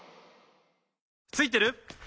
ついてる？